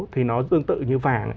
thì nó tương tự như vàng